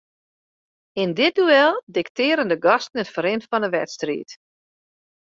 Yn dit duel diktearren de gasten it ferrin fan 'e wedstriid.